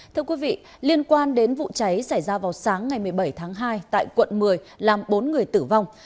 thưa quý vị liên quan đến vụ cháy xảy ra vào sáng ngày một mươi bảy tháng hai tại quận một mươi làm bốn người tử vong